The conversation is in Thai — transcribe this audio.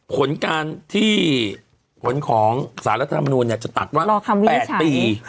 ผลการที่ผลของสารรัฐธรรมนูลจะตัดว่า๘ปี